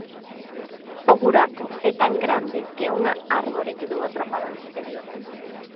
O buraco é tan grande que unha árbore quedou atrapada no interior.